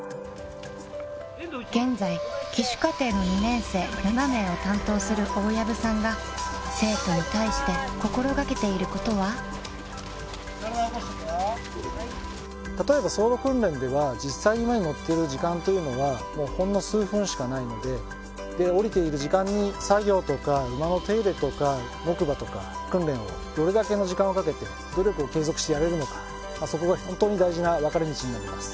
現在騎手課程の２年生７名を担当する大藪さんが例えば走路訓練では実際に馬に乗っている時間というのはもうほんの数分しかないのでで降りている時間に作業とか馬の手入れとか木馬とか訓練をどれだけの時間をかけて努力を継続してやれるのかまあそこが本当に大事な分かれ道になります